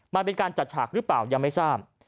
มันเป็นการจัดฉากหรือเปล่ายังไม่ทราบ